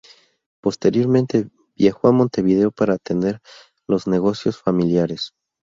Posteriormente viajó a Montevideo para atender los negocios familiares.